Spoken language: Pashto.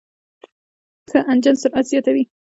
ښه انجن سرعت زیاتوي.